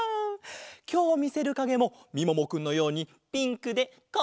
きょうみせるかげもみももくんのようにピンクでかわいいんだぞ。